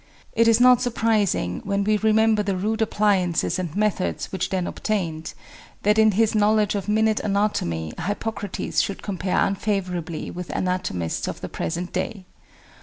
It is not surprising, when we remember the rude appliances and methods which then obtained, that in his knowledge of minute anatomy Hippocrates should compare unfavourably with anatomists of the present day.